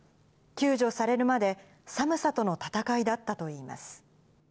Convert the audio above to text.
救助されるまで、寒さとの戦いだったといいます。